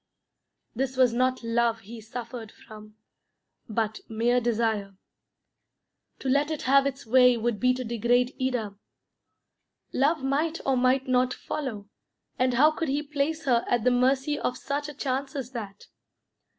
This was not love he suffered from, but mere desire. To let it have its way would be to degrade Ida. Love might or might not follow, and how could he place her at the mercy of such a chance as that?